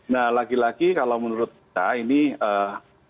nah lagi lagi kalau menurut kita ini ee